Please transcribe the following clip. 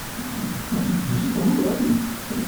只是走路而已